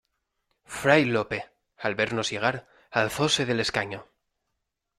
fray Lope, al vernos llegar , alzóse del escaño: